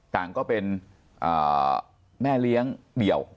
ก็เป็นแม่เลี้ยงเดี่ยว